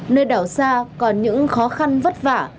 nơi đảo xa còn những khó khăn vất vả